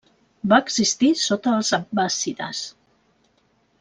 Va existir sota els abbàssides.